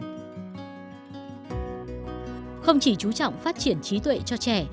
không chỉ chú trọng phát triển trí tuệ cho trẻ